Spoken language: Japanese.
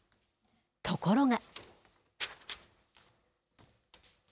ところが。